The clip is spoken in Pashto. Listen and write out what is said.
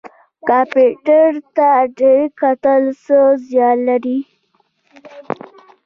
کمپیوټر ته ډیر کتل څه زیان لري؟